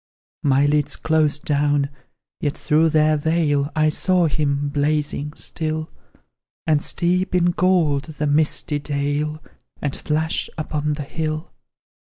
My lids closed down, yet through their veil I saw him, blazing, still, And steep in gold the misty dale, And flash upon the hill.